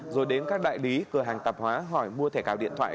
rồi đến các đại lý cửa hàng tạp hóa hỏi mua thẻ cào điện thoại